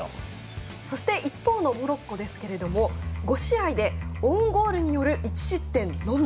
一方のモロッコですけど５試合でオウンゴールによる１失点のみ。